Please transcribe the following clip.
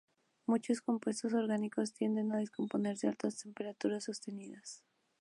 Muchos compuestos orgánicos tienden a descomponerse a altas temperaturas sostenidas.